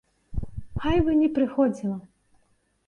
Хай бы не прыходзіла.